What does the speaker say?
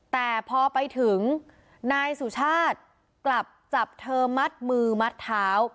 แต่พอไปถึงนายสุชาติกลับจับเธอมัดมือมัดเท้า